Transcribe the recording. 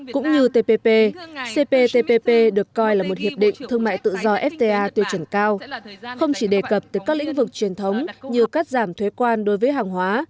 cũng như tpp cptpp được coi là một hiệp định thương mại tự do fta tiêu chuẩn cao không chỉ đề cập tới các lĩnh vực truyền thống như cắt giảm thuế quan đối với hàng hóa